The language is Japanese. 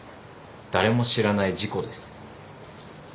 誰も知らない事故です。